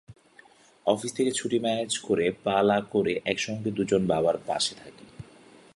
Office থেকে ছুটি manage করে পালা করে একসঙ্গে দুজন বাবার পাশে থাকি।